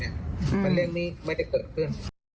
มันเรียกว่าไม่ได้เกิดขึ้น